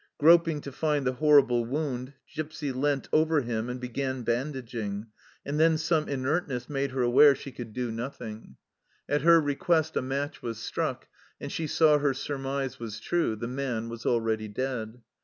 Groping to feel the horrible wound, Gipsy leant over him and began bandaging, and then some inertness made her aware she could do IN THE THICK OF A BATTLE 35 nothing. At her request a match was struck, and she saw her surmise was true, the man was already dead.